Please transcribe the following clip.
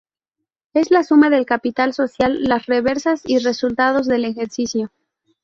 Es la suma del capital social, las reservas y resultados del ejercicio.